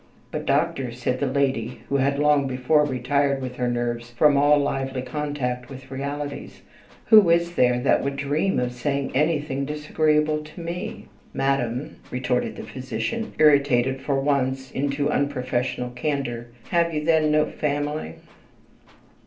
"But doctor," said the lady, who had long before retired with her nerves from all lively contact with realities, "who is there that would dream of saying anything disagreeable to me?" "Madam," retorted the physician, irritated for once into unprofessional candour, "have you then no family?"